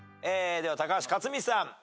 では高橋克実さん。